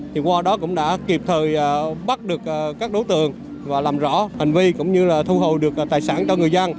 thì qua đó cũng đã kịp thời bắt được các đối tượng và làm rõ hành vi cũng như là thu hồi được tài sản cho người dân